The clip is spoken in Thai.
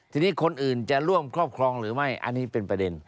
ทีนี้คนอื่นจะร่วมครอบครองหรือไม่อันนี้เป็นประเด็น